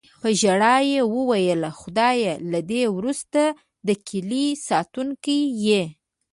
په ژړا یې وویل: "خدایه، له دې وروسته د کیلي ساتونکی یې".